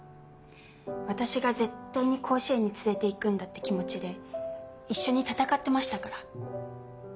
私が絶対に甲子園に連れて行くんだって気持ちで一緒に戦ってましたから。